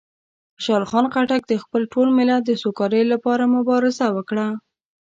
خوشحال خان خټک د خپل ټول ملت د سوکالۍ لپاره مبارزه وکړه.